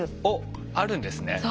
おっあるんですね。